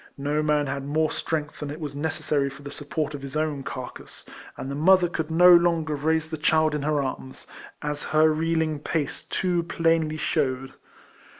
No man had more strengtU K 194 RECOLLECTIONS OF than was necessary for tlie support of his own carcass, and the mother could no lonirer raise the child in her arms, as her reelinjr pace too plainly shewed.